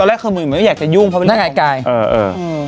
ตอนแรกคือมึงเหมือนก็อยากจะยุ่งเพราะว่านั่นไงกายเออเออ